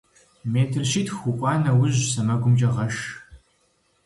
Метр щитху укӏуа нэужь, сэмэгумкӏэ гъэш.